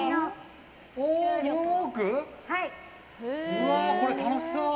うわ、これ楽しそう！